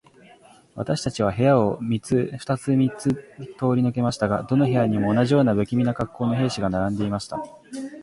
私たちは部屋を二つ三つ通り抜けましたが、どの部屋にも、同じような無気味な恰好の兵士が並んでいました。